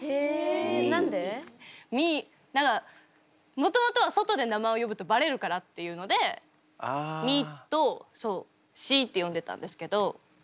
もともとは外で名前を呼ぶとバレるからっていうので「み」と「し」って呼んでたんですけど。